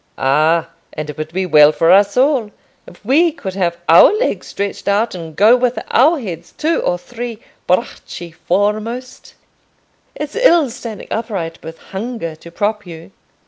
"Ah, and it would be well for us all if we could have our legs stretched out and go with our heads two or three bracci foremost! It's ill standing upright with hunger to prop you."